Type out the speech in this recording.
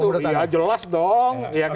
iya itu iya jelas dong